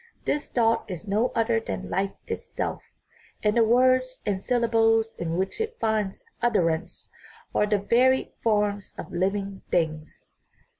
This thought is no other than life it self, and the words and syllables in which it finds utterance are the varied forms of living things."